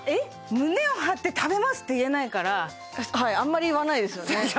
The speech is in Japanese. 胸を張って食べますって言えないからはいあんまり言わないですよね